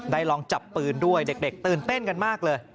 ลองจับปืนด้วยเด็กตื่นเต้นกันมากเลย